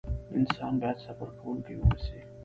انسان بايد صبر کوونکی واوسئ.